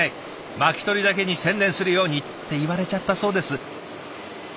巻き取りだけに専念するように」って言われちゃったそうです。